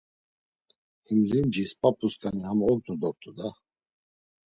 Him limcis p̌ap̌usǩani ham ognu dort̆u da.